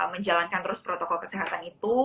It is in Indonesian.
menjalankan terus protokol kesehatan itu